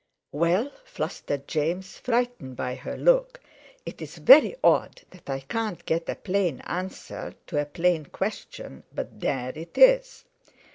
_" "Well," flustered James, frightened by her look, "it's very odd that I can't get a plain answer to a plain question, but there it is."